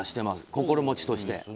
心持ちとして。